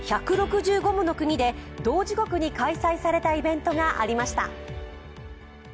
１６５もの国で同時刻に開催されたイベントがありました。